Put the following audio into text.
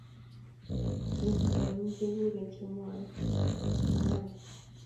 Eng bitonin kekure chemwee olingwai